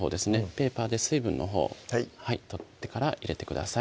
ペーパーで水分のほう取ってから入れてください